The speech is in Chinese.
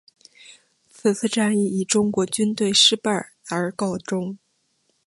此次战役以中国军队失败而告终。